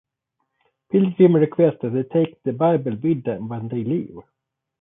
Pilgrim requests that they take the Bible with them when they leave.